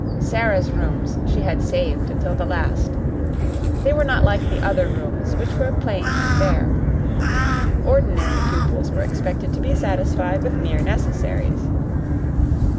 Sara's rooms she had saved until the last. They were not like the other rooms, which were plain and bare. Ordinary pupils were expected to be satisfied with mere necessaries.